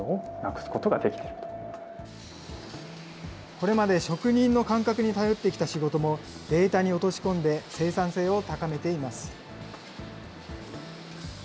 これまで職人の感覚に頼ってきた仕事も、データに落とし込んで、生産性を高めています。